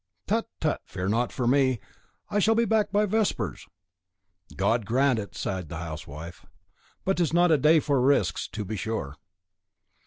"Tut, tut! fear not for me. I shall be back by vespers." "God grant it," sighed the housewife; "but 'tis not a day for risks, to be sure."